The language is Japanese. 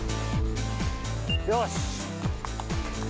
よし。